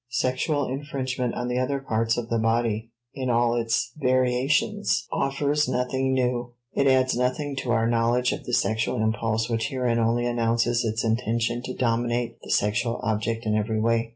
* Sexual infringement on the other parts of the body, in all its variations, offers nothing new; it adds nothing to our knowledge of the sexual impulse which herein only announces its intention to dominate the sexual object in every way.